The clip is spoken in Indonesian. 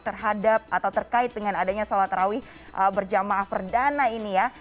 terhadap atau terkait dengan adanya sholat rawih berjamaah perdana ini ya